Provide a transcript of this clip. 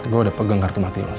gue udah pegang kartu mati lo sa